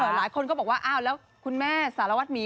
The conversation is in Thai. หลายคนก็บอกว่าอ้าวแล้วคุณแม่สารวัตรหมี